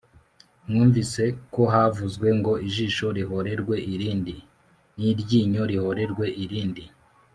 “Mwumvise ko byavuzwe ngo ‘Ijisho rihorerwe irindi n’iryinyo rihorerwe irindi.’